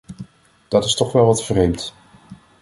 Dat is toch wel wat vreemd.